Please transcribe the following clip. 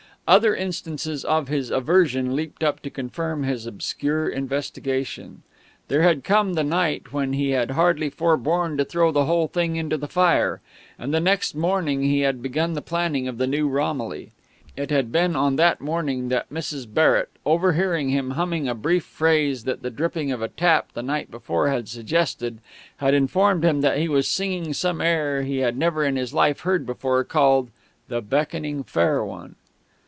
Other instances of his aversion leaped up to confirm his obscure investigation. There had come the night when he had hardly forborne to throw the whole thing into the fire; and the next morning he had begun the planning of the new Romilly. It had been on that morning that Mrs. Barrett, overhearing him humming a brief phrase that the dripping of a tap the night before had suggested, had informed him that he was singing some air he had never in his life heard before, called "The Beckoning Fair One."...